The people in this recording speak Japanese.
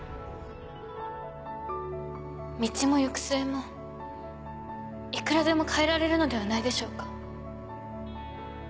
道も行く末もいくらでも変えられるのではないでしょうか。